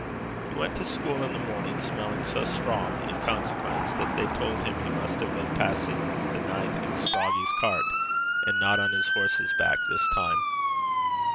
He went to school in the morning smelling so strong in consequence, that they told him he must have been passing the night in Scroggie's cart, and not on his horse's back this time.